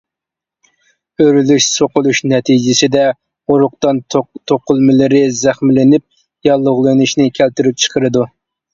ئۆرۈلۈش، سوقۇلۇش نەتىجىسىدە ئۇرۇقدان توقۇلمىلىرى زەخىملىنىپ ياللۇغلىنىشنى كەلتۈرۈپ چىقىرىدۇ.